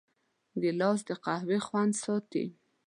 ګیلاس د قهوې خوند ساتي.